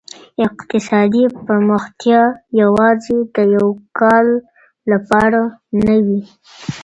اقتصادي پرمختيا يوازي د يوه کال لپاره نه وي.